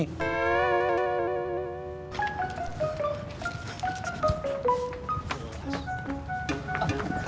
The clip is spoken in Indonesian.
tidak ada yang berani ngelawan mak ipah